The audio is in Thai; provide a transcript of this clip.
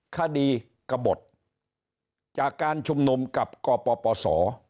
คดีกบทจากการชุมหนุมกับกปส